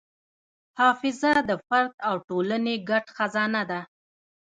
حافظه د فرد او ټولنې ګډ خزانه ده.